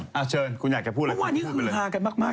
วันนี้คือภาพกันมาก